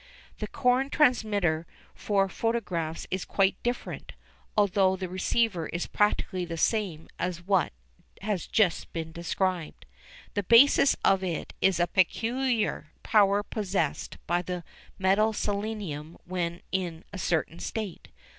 The Korn transmitter for photographs is quite different, although the receiver is practically the same as what has just been described. The basis of it is a peculiar power possessed by the metal selenium when in a certain state.